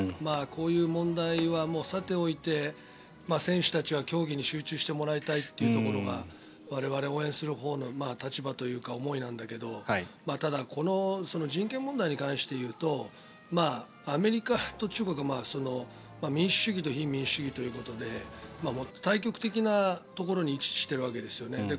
こういう問題はさておいて選手たちは競技に集中してもらいたいというところが我々応援するほうの立場というか思いなんだけどただ、人権問題に関して言うとアメリカと中国は民主主義と非民主主義ということで対極的なところに位置しているわけですよね。